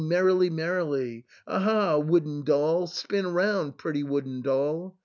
merrily, merrily ! Aha ! wooden doll ! spin round, pretty wooden doll !